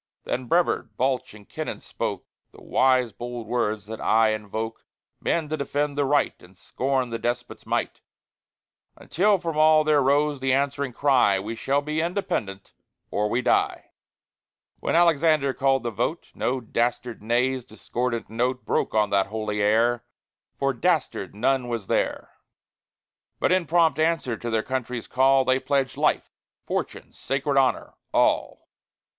Then Brevard, Balch, and Kennon spoke The wise bold words that aye invoke Men to defend the right And scorn the despot's might; Until from all there rose the answering cry: "We will be independent, or we die." When Alexander called the vote, No dastard "nay's" discordant note Broke on that holy air For dastard none was there! But in prompt answer to their country's call, They pledged life, fortune, sacred honor all!